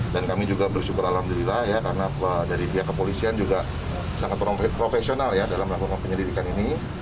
dan kami juga bersyukur alhamdulillah karena dari pihak kepolisian juga sangat profesional dalam melakukan penyelidikan ini